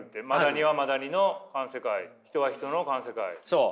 そう。